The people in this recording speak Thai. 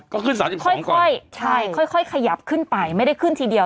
ก็ขึ้นสามสิบสองก่อนค่อยค่อยค่อยขยับขึ้นไปไม่ได้ขึ้นทีเดียว